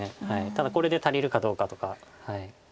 ただこれで足りるかどうかとか。